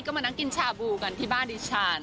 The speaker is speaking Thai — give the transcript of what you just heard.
ก็มานั่งกินชาบูกันที่บ้านดิฉัน